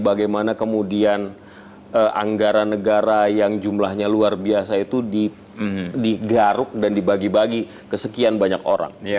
bagaimana kemudian anggaran negara yang jumlahnya luar biasa itu digaruk dan dibagi bagi kesekian banyak orang